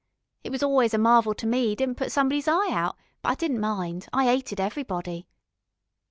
It was always a marvel to me 'e didn't put somebody's eye out, but I didn't mind I 'ated everybody.